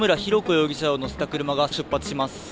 容疑者を乗せた車が出発します。